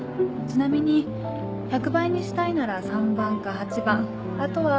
ちなみに１００倍にしたいなら３番か８番あとは。